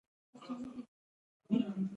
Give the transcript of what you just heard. په افغانستان کې مس شتون لري.